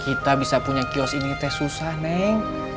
kita bisa punya kios ini teh susah neng